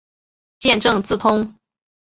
见正字通。